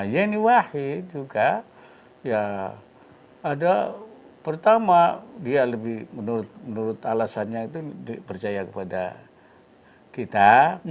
yeni wahid juga ya ada pertama dia lebih menurut alasannya itu percaya kepada kita